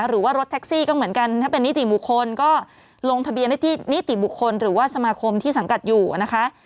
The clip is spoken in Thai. หรือว่ารถแท็กซี่ก็เหมือนกันถ้าเป็นนิติบุคคลก็ลงทะเบียนได้ที่นิติบุคคลหรือว่าสมาคมที่สังกัดอยู่นะคะ